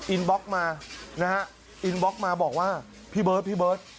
บล็อกมานะฮะอินบล็อกมาบอกว่าพี่เบิร์ดพี่เบิร์ต